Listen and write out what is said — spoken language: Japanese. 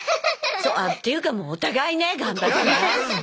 っていうかもうお互いね頑張ろうね。